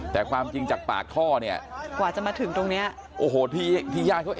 แต่ความจริงจากปากท่อเนี่ยกว่าจะมาถึงตรงเนี้ยโอ้โหที่ที่ญาติเขา